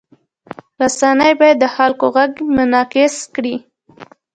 رسنۍ باید د خلکو غږ منعکس کړي.